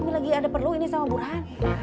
ini lagi ada perlu ini sama burhan